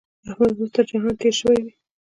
احمد به اوس تر جهان تېری شوی وي.